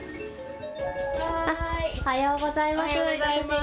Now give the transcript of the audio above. おはようございます。